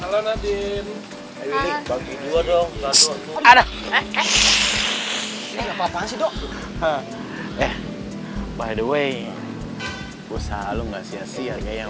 halal nadine hai bagi dua dong ada eh eh eh eh eh by the way usah lu nggak sia sia kayak